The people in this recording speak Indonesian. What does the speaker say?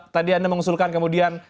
tadi anda mengusulkan kemudian